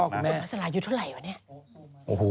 คุณฮัดซาลายุเท่าไหร่บ้างเนี้ย